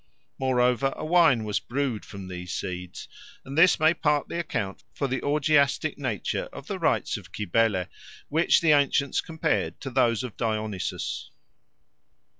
Moreover, a wine was brewed from these seeds, and this may partly account for the orgiastic nature of the rites of Cybele, which the ancients compared to those of Dionysus.